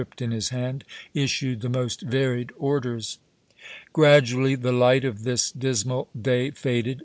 in his hand, issued the most varied orders. Gradually the light of this dismal day faded.